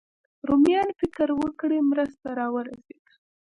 رومیان فکر وکړي مرسته راورسېده.